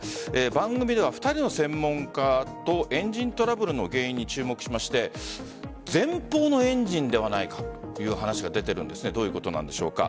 番組では、２人の専門家とエンジントラブルの原因に注目しまして前方のエンジンではないかという話が出ているんですがどういうことなんでしょうか。